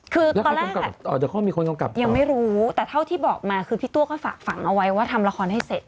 คือตอนแรกยังไม่รู้แต่เท่าที่บอกมาคือพี่ตัวเขาฝากฝังเอาไว้ว่าทำละครให้เสร็จ